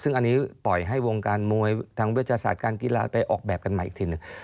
ซึ่งอันนี้ปล่อยให้วงการมวยทางเวชศาสตร์การกีฬาไปออกแบบกันใหม่อีกทีหนึ่ง